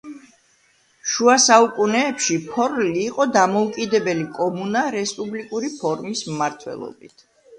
შუა საუკუნეებში ფორლი იყო დამოუკიდებელი კომუნა რესპუბლიკური ფორმის მმართველობით.